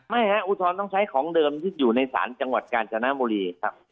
ฮะอุทธรณ์ต้องใช้ของเดิมที่อยู่ในศาลจังหวัดกาญจนบุรีครับ